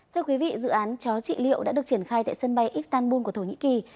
thưa quý vị dự án chó trị liệu đã được triển khai tại sân bay istanbul của thổ nhĩ kỳ